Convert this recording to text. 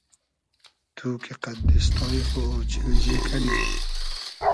تو کی قئد دیستای خو اۉچیلجی کئنی